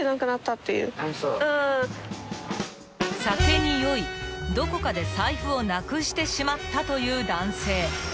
［酒に酔いどこかで財布をなくしてしまったという男性］